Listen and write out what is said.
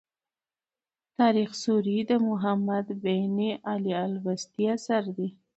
تاریخ سوري د محمد بن علي البستي اثر دﺉ.